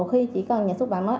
khi chỉ cần nhà xuất bản nói